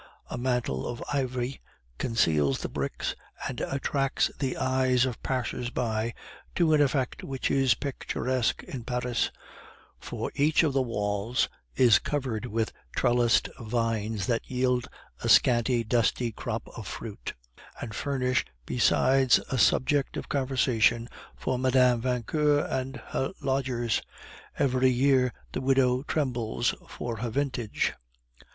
A mantle of ivy conceals the bricks and attracts the eyes of passers by to an effect which is picturesque in Paris, for each of the walls is covered with trellised vines that yield a scanty dusty crop of fruit, and furnish besides a subject of conversation for Mme. Vauquer and her lodgers; every year the widow trembles for her vintage.